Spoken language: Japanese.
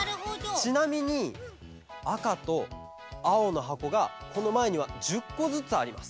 ちなみにあかとあおのはこがこのまえには１０こずつあります。